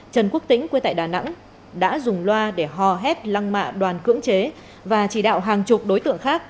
trần quốc tĩnh quê tại đà nẵng đã dùng loa để hò hét lăng mạ đoàn cưỡng chế và chỉ đạo hàng chục đối tượng khác